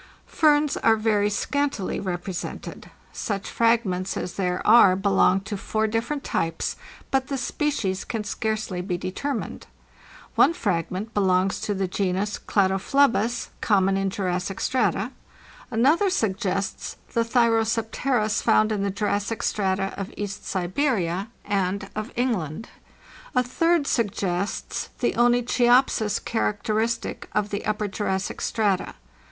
"Ferns are very scantily represented. Such frag ments as there are belong to four different types; but the species can scarcely be determined. One fragment belongs to the genus Cladophlebis, common in Jurassic oO strata; another suggests the Zhyrsopterzs, found in the Jurassic strata of East Siberia and of England; a third suggests the Onychiopsis characteristic of the Upper Juras OC rote) sic strata.